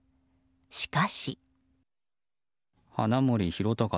しかし。